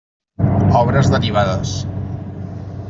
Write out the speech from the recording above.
Obres derivades.